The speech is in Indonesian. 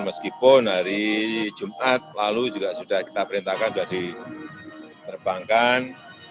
meskipun hari jumat lalu juga sudah kita perintahkan sudah diterbangkan